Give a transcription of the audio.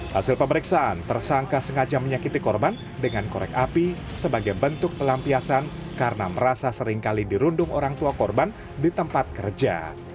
hasil pemeriksaan tersangka sengaja menyakiti korban dengan korek api sebagai bentuk pelampiasan karena merasa seringkali dirundung orang tua korban di tempat kerja